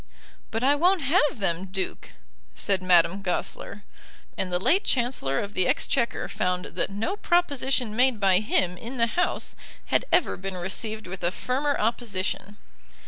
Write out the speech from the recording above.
"But I won't have them, Duke," said Madame Goesler; and the late Chancellor of the Exchequer found that no proposition made by him in the House had ever been received with a firmer opposition.